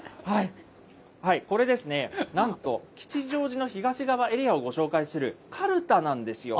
これですね、なんと吉祥寺の東側エリアをご紹介する、かるたなんですよ。